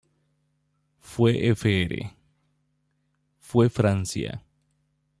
Fue Fr.